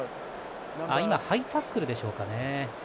今、ハイタックルでしょうか。